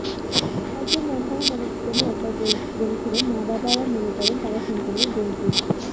একজন নামকরা মনোবিজ্ঞানী একবার বলেছিলেন, মা-বাবারা মনে করেন তাঁরা সন্তানের বন্ধু।